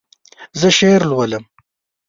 زه شعر لولم.